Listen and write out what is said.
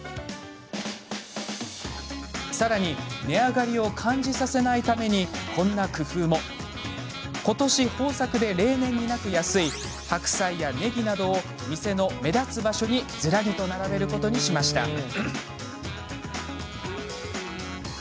値上がりを感じさせないためにこんな工夫も。ことし、豊作で例年になく安い白菜やねぎなどを店の目立つ場所にずらりと並べることにしました。